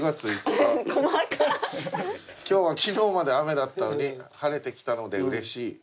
「今日は昨日まで雨だったのに晴れてきたのでうれしい」